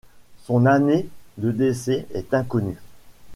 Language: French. Son année de décès est inconnue.